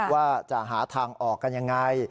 ว่าจะหาทางออกกันยังไง